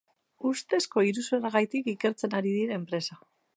Ustezko iruzurragatik ikertzen ari dira enpresa.